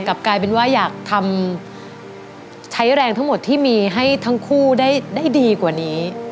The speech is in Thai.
กลับกลายเป็นว่าอยากทำใช้แรงทั้งหมดที่มีให้ทั้งคู่ได้ดีกว่านี้